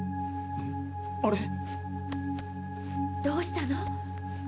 どうしたの？